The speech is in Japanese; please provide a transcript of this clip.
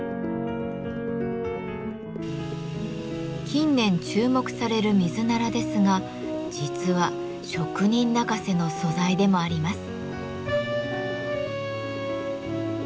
近年注目されるミズナラですが実は職人泣かせの素材でもあります。